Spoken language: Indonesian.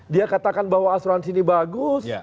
dia katakan bahwa asuransi ini bagus